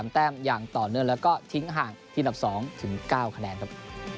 แต้มอย่างต่อเนื่องแล้วก็ทิ้งห่างที่อันดับ๒ถึง๙คะแนนครับ